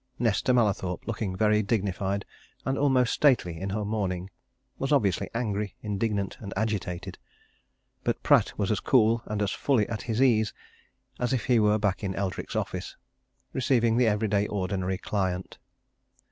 Nesta Mallathorpe, looking very dignified and almost stately in her mourning, was obviously angry, indignant, and agitated. But Pratt was as cool and as fully at his ease as if he were back in Eldrick's office, receiving the everyday ordinary client.